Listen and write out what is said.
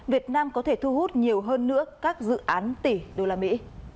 việt nam có thể thu hút nhiều hơn nữa các dự án tỷ đô la mỹ